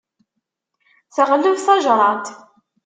Teɣleb tajṛadt.